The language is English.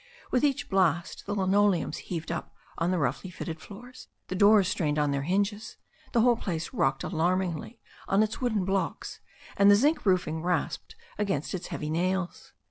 With each blast the linoleums heaved up on the roughly fitted floors, the doors strained on their hinges, the whole place rocked alarmingly on its wooden blocks, and the zinc roofing rasped against its heavy nails.